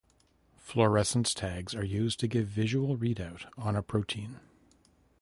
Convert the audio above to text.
Fluorescence tags are used to give visual readout on a protein.